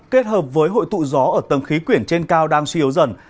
kết hợp với hội tụ gió ở tầng khí quyển trên cao đang suy yếu dần